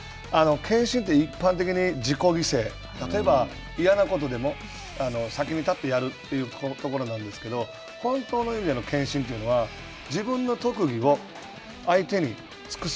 献身って、一般的に自己犠牲、例えば、嫌なことでも先に立ってやるというところなんですけれども、本当の意味での献身というのは、自分の特技を相手に尽くす。